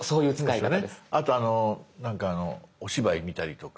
あとお芝居見たりとか。